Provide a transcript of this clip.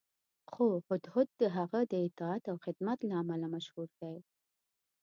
خو هدهد د هغه د اطاعت او خدمت له امله مشهور دی.